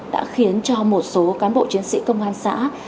đã khiến cho một số cán bộ chiến sĩ công an xã